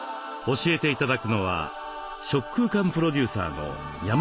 教えて頂くのは食空間プロデューサーの山本侑貴子さん。